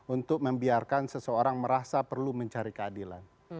untuk membiarkan seseorang merasa perlu mencari keadilan